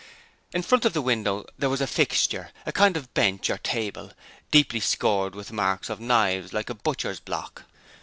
In front of the window there was a fixture a kind of bench or table, deeply scored with marks of knives like a butcher's block.